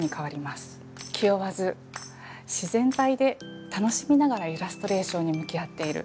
気負わず自然体で楽しみながらイラストレーションに向き合っている。